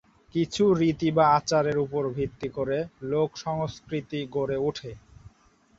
কিছু রীতি বা আচারের উপর ভিত্তি করে লোক সংস্কৃতি গড়ে উঠে।